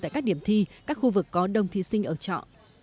tại các điểm thi các khu vực có đông thí sinh ở trọ